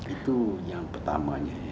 itu yang pertamanya